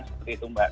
seperti itu mbak